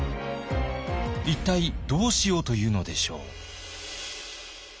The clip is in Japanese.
一体どうしようというのでしょう？